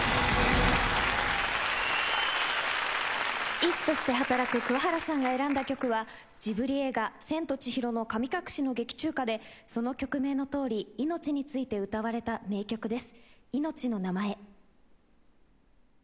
医師として働く桑原さんが選んだ曲はジブリ映画『千と千尋の神隠し』の劇中歌でその曲名の通り命について歌われた名曲です。